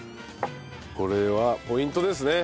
これはポイントですね。